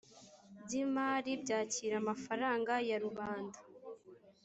by imari byakira amafaranga ya rubanda